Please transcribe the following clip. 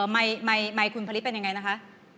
ไมค์คุณภลิษฐ์เป็นยังไงนะคะ